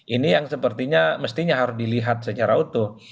ini yang sepertinya mestinya harus dilihat secara utuh